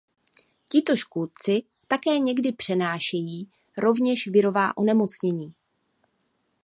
Tito škůdci také někdy přenášejí rovněž virová onemocnění.